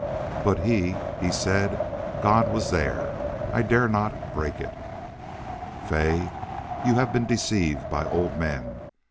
But HE he said God was there. I dare not break it." "Fay, you have been deceived by old men.